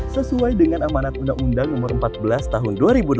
sesuai dengan amanat undang undang no empat belas tahun dua ribu delapan belas